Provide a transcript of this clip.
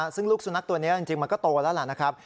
ซึ่งลูกสุนัขตัวนี้จริงมันก็โตแล้วล่ะนะครับ